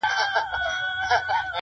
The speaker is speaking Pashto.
سم اتڼ یې اچولی موږکانو,